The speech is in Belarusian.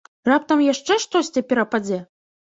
Раптам яшчэ штосьці перападзе?